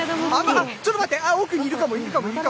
ちょっと待って、奥にいるかも、いるかも。